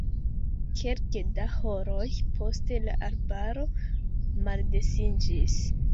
Kelke da horoj poste la arbaro maldensiĝis.